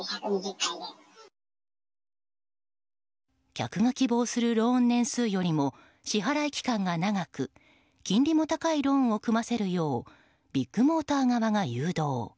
客が希望するローン年数よりも支払期間が長く金利も高いローンを組ませるようビッグモーター側が誘導。